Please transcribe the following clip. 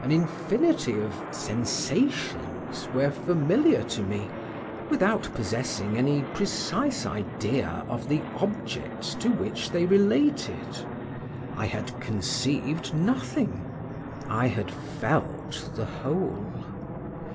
An infinity of sensations were familiar to me, without possessing any precise idea of the objects to which they related I had conceived nothing I had felt the whole.